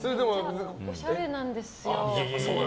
おしゃれなんですよ。